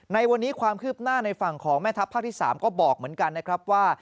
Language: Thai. ในวันนี้ความคืบหน้าในฝั่งของแม่ทัพภาคที่๓ก็บอกเหมือนกันนะครับว่า